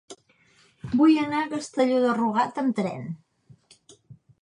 Vull anar a Castelló de Rugat amb tren.